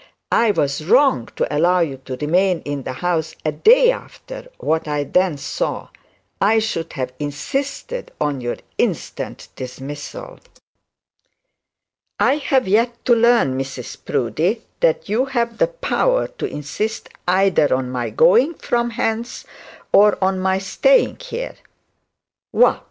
I was wrong to allow you to remain in the house a day after what I then saw. I should have insisted on your instant dismissal.' 'I have yet to learn, Mrs Proudie, that you have the power to insist either on my going from hence or on my staying here.' 'What!'